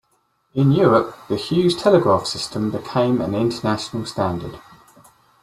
In Europe, the Hughes Telegraph System became an international standard.